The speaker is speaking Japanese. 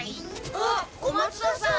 あっ小松田さん？